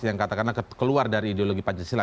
yang katakanlah keluar dari ideologi pancasila